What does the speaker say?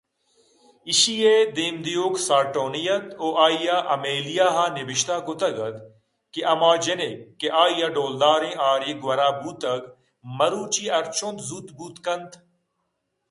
ایشی ءِ دیم دیوک سارٹونی اَت ءُآئیءَ ایمیلیاءَ نبشتہ کُتگ اَت کہ ہماجنک کہ آئی ءَ ڈولداریں ہارے گوٛرا بوتگ مروچی ہرچنت زوت بوت کنت